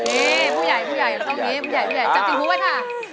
เผู้ใหญ่แต่ตอนนี้ผู้ใหญ่นะครับ